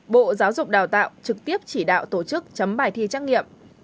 bộ giáo dục đào tạo trực tiếp chỉ đạo tổ chức chấm bài thi trắc nghiệm